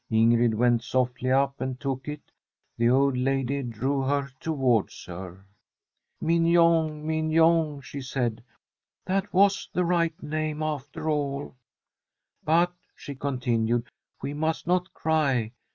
Ingrid went softly up and took it; the old lady drew her towards her. ' Mignon, Mignon,' she said ;* that was the right name after all. But/ she continued, 'we must not cry.